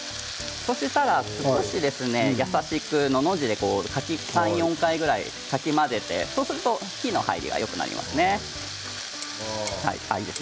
そうしたら優しく箸でのの字に３回ぐらいかき混ぜてそうすると火の通りがよくなりますね。